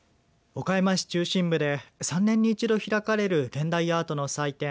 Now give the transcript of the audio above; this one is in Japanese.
岡山市中心部で３年に一度開かれる現代アートの祭典